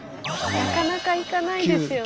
なかなか行かないですよね。